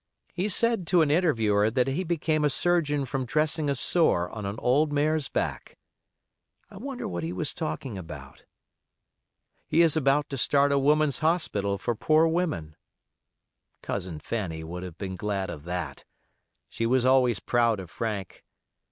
He said to an interviewer that he became a surgeon from dressing a sore on an old mare's back. I wonder what he was talking about? He is about to start a woman's hospital for poor women. Cousin Fanny would have been glad of that; she was always proud of Frank.